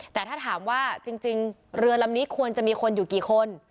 แต่ถ้าถามว่าจริงเรือลำนี้ควรจะมีคนอยู่กี่คน